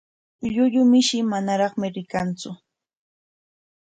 Llullu mishi manaraqmi rikanku.